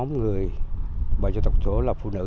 đồng bào dân tộc chủ số là phụ nữ